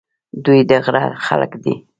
دوی د غره خلک دي.